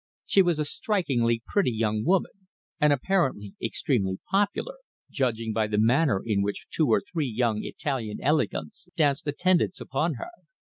She was a strikingly pretty young woman, and apparently extremely popular, judging by the manner in which two or three young Italian elegants danced attendance upon her.